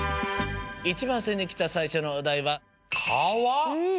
１ばんせんにきたさいしょのおだいはうん。